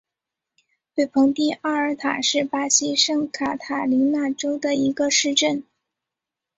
北蓬蒂阿尔塔是巴西圣卡塔琳娜州的一个市镇。